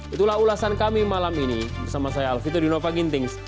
itulah ulasan kami malam ini bersama saya alvito dinova gintings